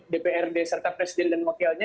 dprd serta presiden dan wakilnya